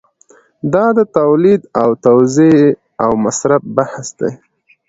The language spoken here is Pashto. دا د تولید او توزیع او مصرف بحث دی.